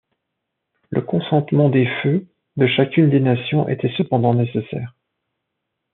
Le consentement des feux de chacune des nations était cependant nécessaire.